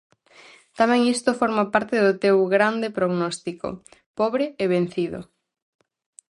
Tamén isto forma parte do teu grande prognóstico, pobre e vencido!